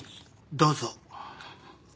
どうぞ。